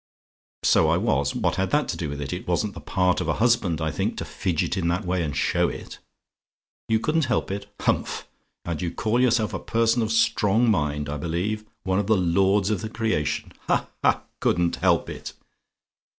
"SO I WAS? "What had that to do with it? It wasn't the part of a husband, I think, to fidget in that way, and show it. "YOU COULDN'T HELP IT? "Humph! And you call yourself a person of strong mind, I believe? One of the lords of the creation! Ha! ha! couldn't help it!